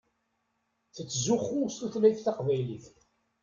Tettzuxxu s tutlayt taqbaylit.